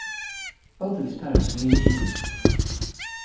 Both of his parents were musicians.